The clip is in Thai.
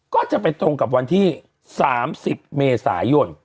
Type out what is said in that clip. ก็จะไปตรงกับวันที่๓๐เมษายน